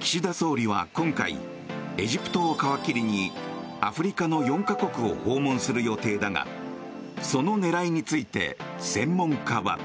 岸田総理は今回エジプトを皮切りにアフリカの４か国を訪問する予定だがその狙いについて専門家は。